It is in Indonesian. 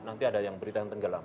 nanti ada yang berita yang tenggelam